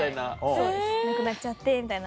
そうです「亡くなっちゃって」みたいな。